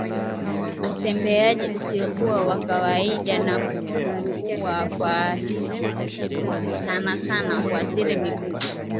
Utembeaji usiokuwa wa kawaida na kupungua kwa hisi sanasana huathiri miguu